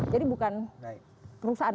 jadi bukan perusahaan